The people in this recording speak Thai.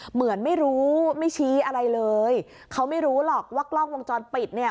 เหมือนไม่รู้ไม่ชี้อะไรเลยเขาไม่รู้หรอกว่ากล้องวงจรปิดเนี่ย